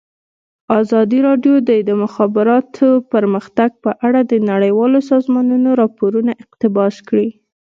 ازادي راډیو د د مخابراتو پرمختګ په اړه د نړیوالو سازمانونو راپورونه اقتباس کړي.